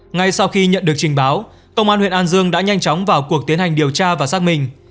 ngay sau khi nhận được trình báo công an huyện an dương đã nhanh chóng vào cuộc tiến hành điều tra và xác minh